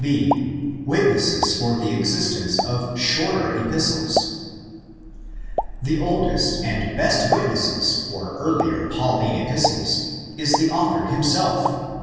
B.—Witnesses for the Existence of Shorter Epistles. The oldest and best witness for earlier Pauline Epistles is the author himself in x.